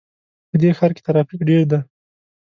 په دې ښار کې ترافیک ډېر ده